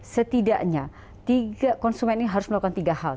setidaknya tiga konsumen ini harus melakukan tiga hal